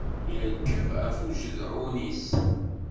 Yerkeb ɣef ujedɛun-is.